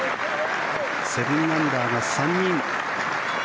７アンダーが３人。